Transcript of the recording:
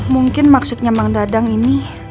mungkin maksudnya bang dadang ini